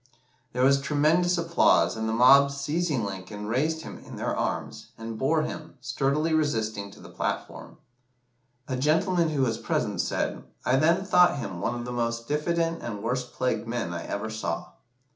There was tremendous applause, and the mob seizing Lincoln, raised him in their arms, and bore him, sturdily resisting, to the platform. A gentleman who was present said "I then thought him one of the most diffident and worst plagued men I ever saw."